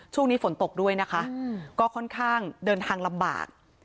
ช่วงนี้ฝนตกด้วยนะคะก็ค่อนข้างเดินทางลำบาก